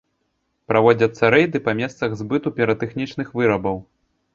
Праводзяцца рэйды па месцах збыту піратэхнічных вырабаў.